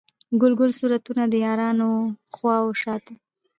ګل ګل صورتونه، د یارانو و خواو شاته